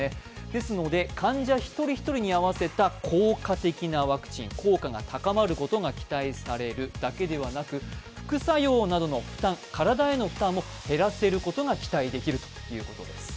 ですので患者１人１人に合わせた効果的なワクチン、効果が高まることが期待されるだけではなく副作用などの体への負担も減らせることが期待できるということです。